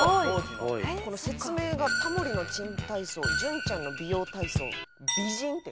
この説明が「タモリの珍体操」「純ちゃんの美容体操」「美人」って。